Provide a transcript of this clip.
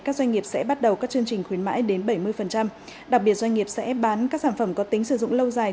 các doanh nghiệp sẽ bắt đầu các chương trình khuyến mãi đến bảy mươi đặc biệt doanh nghiệp sẽ bán các sản phẩm có tính sử dụng lâu dài